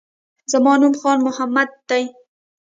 زما نوم خان محمد دی